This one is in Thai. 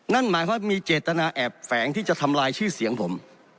นั่นหมายความว่ามีเจตนาแอบแฝงที่จะทำลายชื่อเสียงผม